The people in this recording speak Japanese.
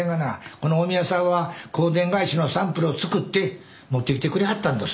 この近江屋さんは香典返しのサンプルを作って持ってきてくれはったんどす。